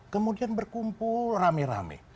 kemudian berkumpul rame rame